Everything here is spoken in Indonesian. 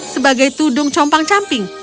sebagai tudung compang camping